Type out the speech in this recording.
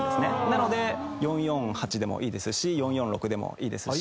なので４・４・８でもいいですし４・４・６でもいいですし。